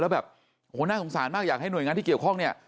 แล้วแบบโอ้โหน่าสงสารมากอยากให้หน่วยงานที่เกี่ยวข้องเนี่ย